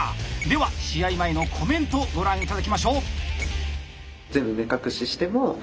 では試合前のコメントをご覧頂きましょう！